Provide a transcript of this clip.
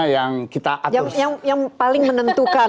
yang paling menentukan